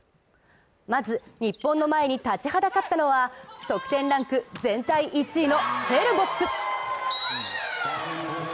まず、日本の前に立ちはだかったのは得点ランク全体１位のヘルボッツ。